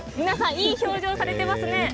いい表情をされていますね。